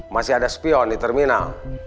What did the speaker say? masih ada spion di terminal